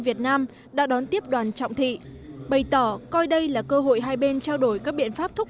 việt nam đã đón tiếp đoàn trọng thị bày tỏ coi đây là cơ hội hai bên trao đổi các biện pháp thúc